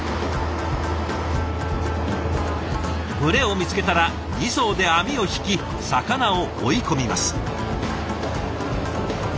群れを見つけたら２艘で網を引き魚を追い込みます。